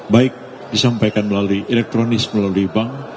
baik disampaikan melalui elektronik melalui bank